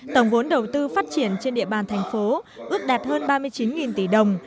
tổng vốn đầu tư phát triển trên địa bàn thành phố ước đạt hơn ba mươi chín tỷ đồng